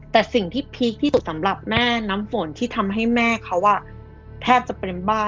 แต่สิ่งที่พีคที่สุดสำหรับแม่น้ำฝนที่ทำให้แม่เขาแทบจะเป็นบ้า